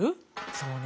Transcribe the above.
そうね